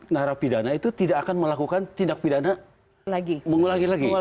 narapidana itu tidak akan melakukan tindak pidana mengulangi lagi